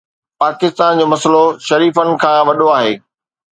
پاڪستان جو مسئلو شريفن کان وڏو آهي.